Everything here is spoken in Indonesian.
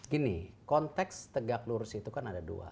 gini konteks tegak lurus itu kan ada dua